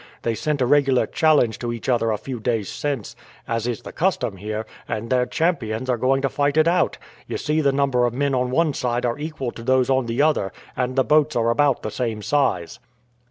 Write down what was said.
They sent a regular challenge to each other a few days since, as is the custom here, and their champions are going to fight it out. You see the number of men on one side are equal to those on the other, and the boats are about the same size."